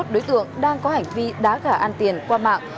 hai mươi một đối tượng đang có hành vi đá gà ăn tiền qua mạng